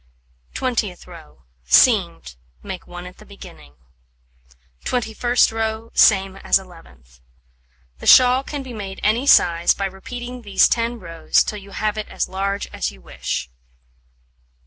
Twentieth row: Seamed: make 1 at the beginning. Twenty first row same as 11th. The shawl can be made any size by repeating these 10 rows till you have it as large as you wish.